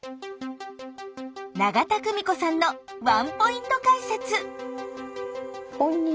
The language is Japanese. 永田久美子さんのワンポイント解説。